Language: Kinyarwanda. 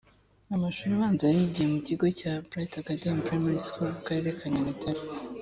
Amashuri abanza yayigiye mu kigo cya "Bright Academy Primary School" mu Karere ka Nyagatare